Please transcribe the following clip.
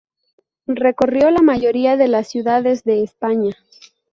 Recorrió la mayoría de las ciudades de España.